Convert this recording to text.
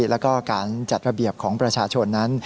แล้วก็การจัดระเบียบของประชาชนนั้น